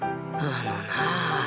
あのなあ。